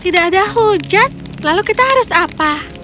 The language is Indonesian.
tidak ada hujan lalu kita harus apa